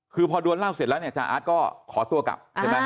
คือพอโดนเล่าเสร็จแล้วจาอาทก็ขอตัวกลับ